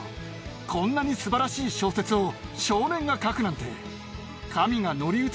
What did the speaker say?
こんなにすばらしい小説を少年が書くなんて。